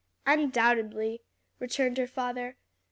"Undoubtedly," returned her father.